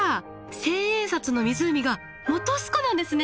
千円札の湖が本栖湖なんですね。